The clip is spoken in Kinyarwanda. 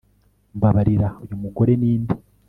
Mbabarira uyu mugore ninde